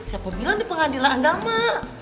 siapa bilang di pengadilan agama